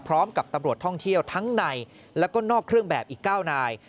ตำรวจท่องเที่ยวทั้งในแล้วก็นอกเครื่องแบบอีก๙นาย